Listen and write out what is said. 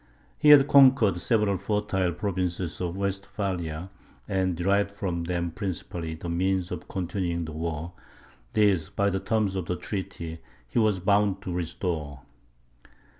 He had conquered several fertile provinces of Westphalia, and derived from them principally the means of continuing the war; these, by the terms of the treaty, he was bound to restore.